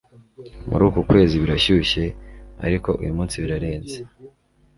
Muri uku kwezi birashyushye, ariko uyumunsi birarenze.